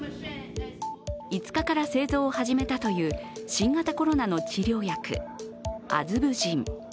５日から製造を始めたという新型コロナの治療薬、アズブジン。